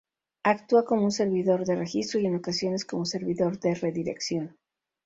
Actúa como un servidor de registro, y en ocasiones como servidor de redirección.